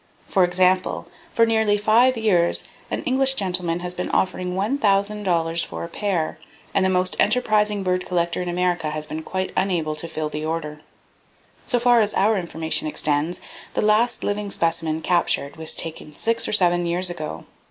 For example, for nearly five years an English [Page 19] gentlemen has been offering $1,000 for a pair, and the most enterprising bird collector in America has been quite unable to fill the order. So far as our information extends, the last living specimen captured was taken six or seven years ago.